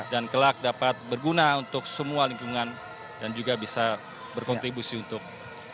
dan kelak dapat berguna untuk semua lingkungan dan juga bisa berkontribusi untuk semua